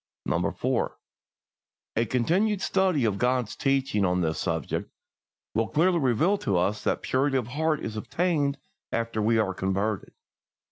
4. A continued study of God's teaching on this subject will clearly reveal to us that purity of heart is obtained after we are converted.